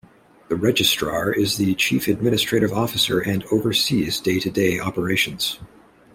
The Registrar is the chief administrative officer and oversees day-to-day operations.